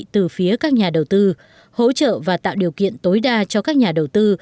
từ phía các nhà đầu tư hỗ trợ và tạo điều kiện tối đa cho các nhà đầu tư